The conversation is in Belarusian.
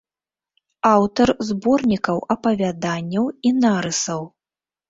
Аўтар зборнікаў апавяданняў і нарысаў.